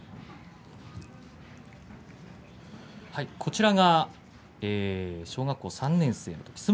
こちらが小学校３年生のときですね。